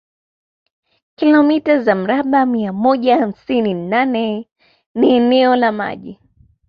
Kilomita za mraba mia moja hamsini na nane ni eneo la maji